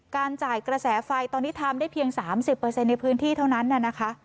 การจ่ายกระแสไฟตอนนี้ทำได้เพียงสามสิบเปอร์เซ็นต์ในพื้นที่เท่านั้นน่ะนะคะ